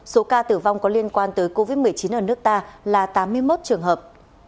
số ca tử vong có liên quan tới covid một mươi chín ở nước ta là tám mươi một trường hợp